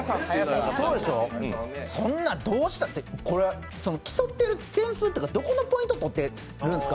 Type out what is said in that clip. そんな、どうしたって、これは競ってる点数とかどこのポイントとってるんですか？